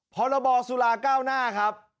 พรบสุราเก้าหน้าครับ